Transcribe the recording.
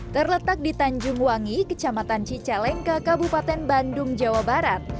terletak di tanjung wangi kecamatan cicalengka kabupaten bandung jawa barat